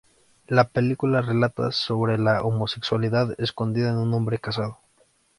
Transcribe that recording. La película relata sobre la homosexualidad escondida en un hombre casado.